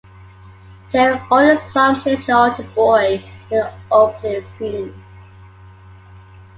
Jerry Only's son plays the altar boy in the opening scene.